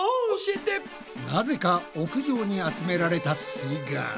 なぜか屋上に集められたすイガール。